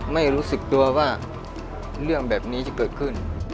ไม่รู้สึกตัวว่าเรื่องแบบนี้จะเกิดขึ้น